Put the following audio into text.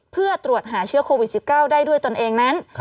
เพื่อตรวจหาเชื้อโควิด๑๙ได้ด้วยตนเองนั้น